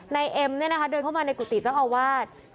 นายเอ็มเดินเข้ามาในกุฏิเจ้าอาวาส